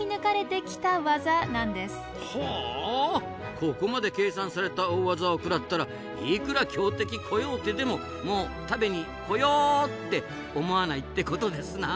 ここまで計算された大技を食らったらいくら強敵コヨーテでももう食べにコヨーって思わないってことですな。